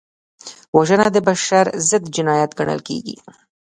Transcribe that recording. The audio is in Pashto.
وژنه د بشر ضد جنایت ګڼل کېږي